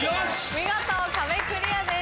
見事壁クリアです。